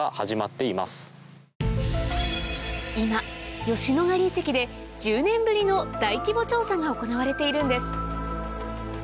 今吉野ヶ里遺跡で１０年ぶりの大規模調査が行われているんです